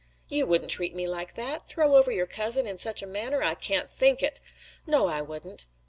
"You wouldn't treat me like that! Throw over your cousin in such a manner! I can't think it!" "No, I wouldn't!"